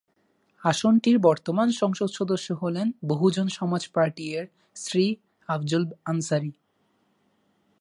আসনটির বর্তমান সংসদ সদস্য হলেন বহুজন সমাজ পার্টি-এর শ্রী আফজাল আনসারী।